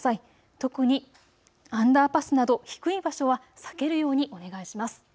特にアンダーパスなど低い場所は避けるようにお願いします。